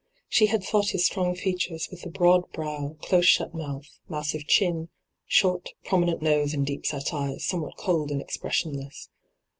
She had thought his strong features, with the broad brow, close shut mouth, massive chin, short, prominent nose and deep set eyes, some what cold and expressionless.